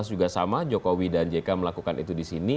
dua ribu empat belas juga sama jokowi dan jk melakukan itu di sini